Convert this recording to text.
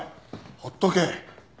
ほっとけ。